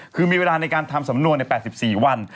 คือมีเวลาในการทำสำนวนใน๘๔วัน